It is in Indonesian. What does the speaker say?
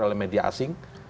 oleh media asing